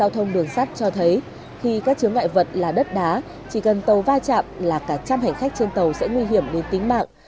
giao thông đường sắt cho thấy khi các chứa ngại vật là đất đá chỉ cần tàu va chạm là cả trăm hành khách trên tàu sẽ nguy hiểm đến tính mạng